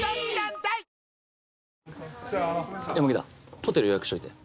ホテル予約しといて。